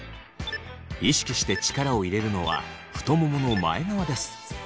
意識して力を入れるのは太ももの前側です。